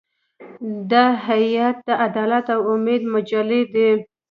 دا هیئت د عدالت او امید مجلې دی.